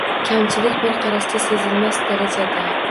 Kamchilik bir qarashda sezilmas darajada.